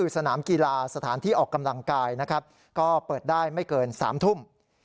สนามกีฬาสถานที่ออกกำลังกายนะครับก็เปิดได้ไม่เกิน๓ทุ่ม